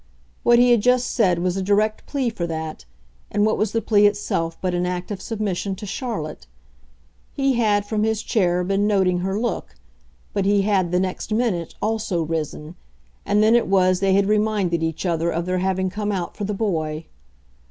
What he had just said was a direct plea for that, and what was the plea itself but an act of submission to Charlotte? He had, from his chair, been noting her look, but he had, the next minute, also risen, and then it was they had reminded each other of their having come out for the boy.